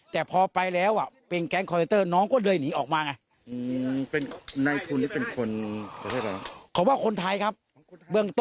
แต่พอไปแล้วเป็นแก๊งกราฟเฟนเตอร์